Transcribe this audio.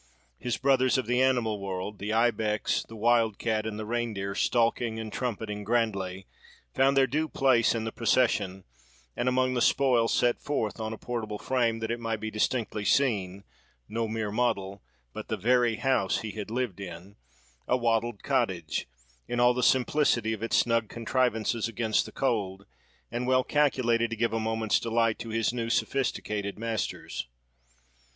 His brothers, of the animal world, the ibex, the wild cat, and the reindeer, stalking and trumpeting grandly, found their due place in the procession; and among the spoil, set forth on a portable frame that it might be distinctly seen (no mere model, but the very house he had lived in), a wattled cottage, in all the simplicity of its snug contrivances against the cold, and well calculated to give a moment's delight to his new, sophisticated masters.